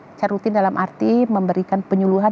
secara rutin dalam arti memberikan penyuluhan